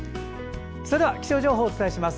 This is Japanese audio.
それでは気象情報をお伝えします。